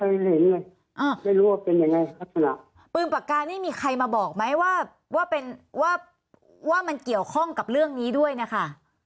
ไม่รู้ว่าเป็นยังไงลักษณะปืนปากกานี่มีใครมาบอกไหมว่าว่าเป็นว่าว่ามันเกี่ยวข้องกับเรื่องนี้ด้วยนะคะ